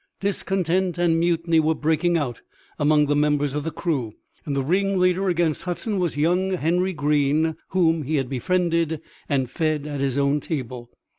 Discontent and mutiny were breaking out among the members of the crew, and the ringleader against Hudson was young Henry Greene whom he had befriended and fed at his own table.